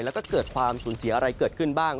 แล้วก็เกิดความสูญเสียอะไรเกิดขึ้นบ้าง